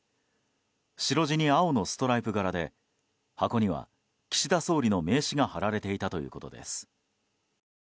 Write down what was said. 白地に青のストライプ柄で箱には岸田総理の名刺が貼られていたということです。